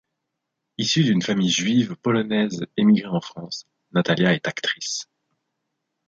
Issue d'une famille juive polonaise émigrée en France, Natalia est actrice.